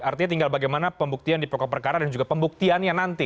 artinya tinggal bagaimana pembuktian di pokok perkara dan juga pembuktiannya nanti